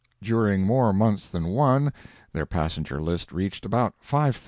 During more months than one, their passenger list reached about 5,000.